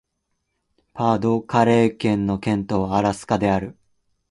パ＝ド＝カレー県の県都はアラスである